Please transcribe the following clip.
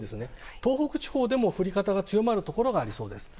東北地方でも降り方が強まるところがありそうです。